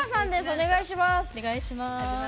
お願いします。